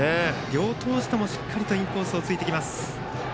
両投手ともしっかりとインコースを突いてきます。